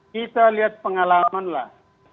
kita lihat pengalamanlah